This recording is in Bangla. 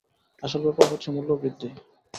আসল ব্যাপার হচ্ছে মূল্যবৃদ্ধি।